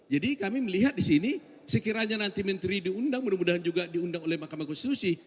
jadi kami melihat disini sekiranya nanti menteri diundang mudah mudahan juga diundang oleh mahkamah konstitusi